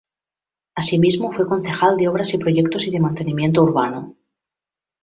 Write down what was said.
Asimismo fue concejal de Obras y Proyectos y de Mantenimiento Urbano.